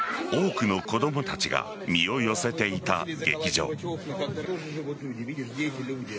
多くの子供たちが身を寄せていた劇場。